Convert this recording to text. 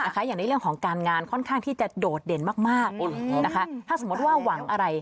อย่างในเรื่องของการงานค่อนข้างที่จะโดดเด่นมากถ้าสมมติว่าหวังอะไร